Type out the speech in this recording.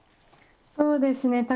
そうですね。